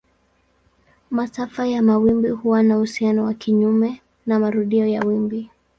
Masafa ya mawimbi huwa na uhusiano wa kinyume na marudio ya wimbi.